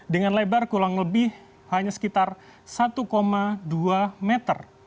dengan lebar kurang lebih hanya sekitar satu dua meter